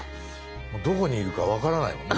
もうどこにいるか分からないもんね